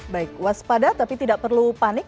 baik waspada tapi tidak perlu panik